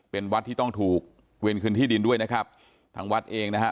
เป็นวัดที่ต้องถูกเวรคืนที่ดินด้วยนะครับทางวัดเองนะฮะ